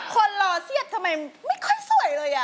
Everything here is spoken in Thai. คนรอเสียดทำไมไม่ค่อยสวยเลย